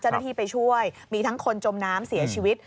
เจ้าหน้าที่ไปช่วยมีทั้งคนจมน้ำเสียชีวิต